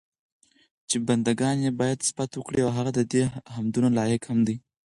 چې بندګان ئي بايد صفت وکړي، او هغه ددي حمدونو لائق هم دی